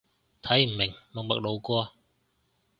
睇唔明，默默路過